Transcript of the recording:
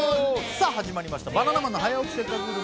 さあ始まりました「バナナマンの早起きせっかくグルメ！！」